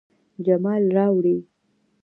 جمال راوړي